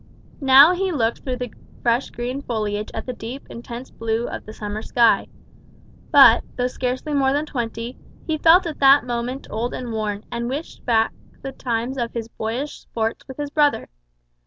Now he looked through the fresh green foliage at the deep intense blue of the summer sky. But, though scarcely more than twenty, he felt at that moment old and worn, and wished back the time of his boyish sports with his brother.